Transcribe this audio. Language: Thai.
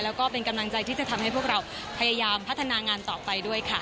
แล้วก็เป็นกำลังใจที่จะทำให้พวกเราพยายามพัฒนางานต่อไปด้วยค่ะ